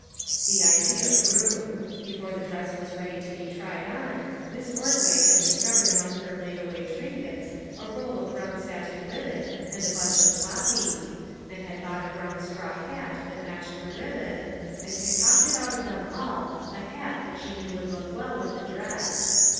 The idea grew. Before the dress was ready to be tried on, Miss Ordway had discovered among her laid away trinkets a roll of brown satin ribbon and a bunch of poppies, and had bought a brown straw hat that matched the ribbon, and concocted out of them all a hat that she knew would look well with the dress.